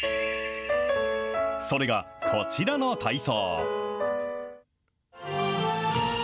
それがこちらの体操。